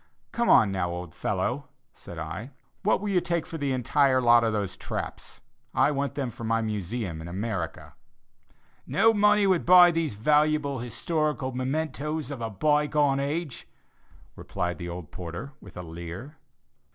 "Come now, old fellow," said I, "what will you take for the entire lot of those traps? I want them for my Museum in America." "No money would buy these valuable historical mementos of a by gone age," replied the old porter with a leer.